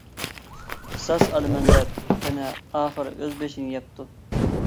قىساس ئالىمەن دەپ، يەنە ئاخىر ئۆز بېشىنى يەپتۇ.